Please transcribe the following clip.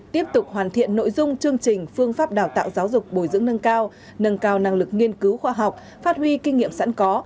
tiếp tục hoàn thiện nội dung chương trình phương pháp đào tạo giáo dục bồi dưỡng nâng cao nâng cao năng lực nghiên cứu khoa học phát huy kinh nghiệm sẵn có